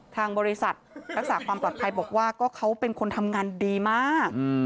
ทางบริษัทรักษาความปลอดภัยบอกว่าก็เขาเป็นคนทำงานดีมาก